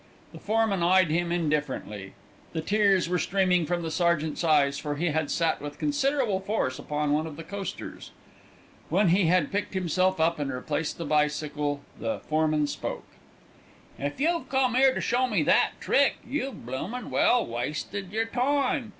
The foreman eyed him indifferently. The tears were streaming from the sergeant's eyes, for he had sat with considerable force upon one of the coasters. When he had picked himself up and replaced the bicycle the foreman spoke. "If you've come 'ere to show me that trick, you've bloomin' well wasted yer time.